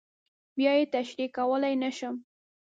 بیا یې تشریح کولی نه شم.